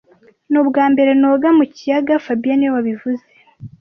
Ni ubwambere noga mu kiyaga fabien niwe wabivuze